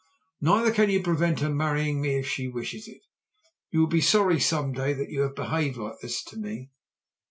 Neither can you prevent her marrying me if she wishes it. You will be sorry some day that you have behaved like this to me."